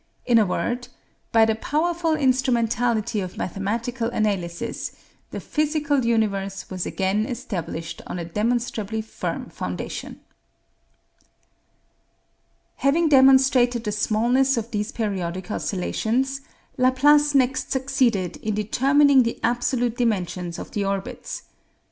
In a word, by the powerful instrumentality of mathematical analysis, the physical universe was again established on a demonstrably firm foundation. Having demonstrated the smallness of these periodic oscillations, Laplace next succeeded in determining the absolute dimensions of the orbits.